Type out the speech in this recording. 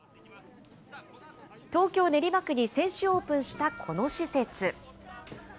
東京・練馬区に先週オープンしたこの施設。